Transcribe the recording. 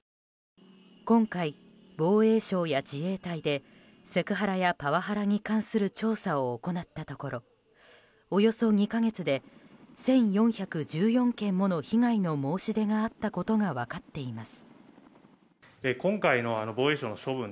今回、防衛省や自衛隊でセクハラやパワハラに関する調査を行ったところおよそ２か月で１４１４件もの被害の申し出があったことが分かっています。